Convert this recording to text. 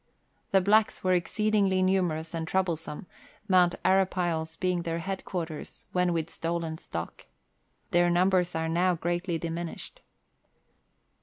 The blacks were exceedingly numerous and trouble some, Mount Arapiles being their head quarters when with stolen stock. Their numbers are now greatly diminished.